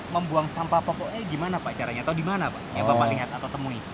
membuang sampah popok gimana pak caranya atau dimana pak yang paham lihat atau temui